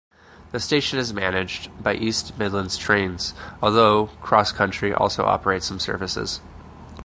The station is managed by East Midlands Trains although CrossCountry also operate some services.